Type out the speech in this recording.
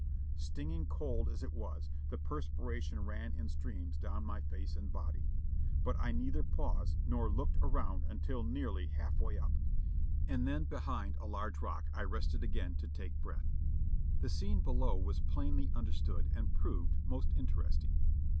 Stinging cold as it was, the perspiration ran in streams down my face and body, but I neither paused nor looked around until nearly half way up, and then behind a large rock I rested again to take breath. The scene below was plainly understood and proved most in teresting.